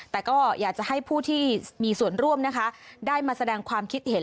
แต่ก็อยากจะให้ผู้ที่มีส่วนร่วมนะคะได้มาแสดงความคิดเห็น